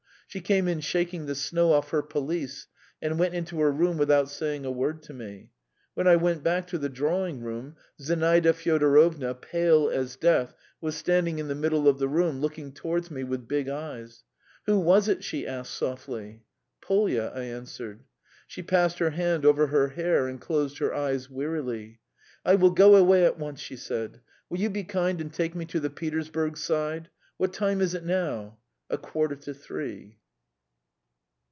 She came in shaking the snow off her pelisse, and went into her room without saying a word to me. When I went back to the drawing room, Zinaida Fyodorovna, pale as death, was standing in the middle of the room, looking towards me with big eyes. "Who was it?" she asked softly. "Polya," I answered. She passed her hand over her hair and closed her eyes wearily. "I will go away at once," she said. "Will you be kind and take me to the Petersburg Side? What time is it now?" "A quarter to three."